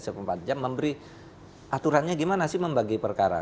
sepempat jam memberi aturannya gimana sih membagi perkara